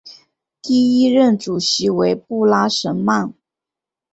第一任主席为布拉什曼。